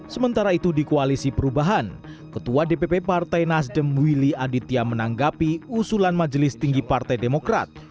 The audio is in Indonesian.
sementara itu di koalisi perubahan ketua dpp partai nasdem willy aditya menanggapi usulan majelis tinggi partai demokrat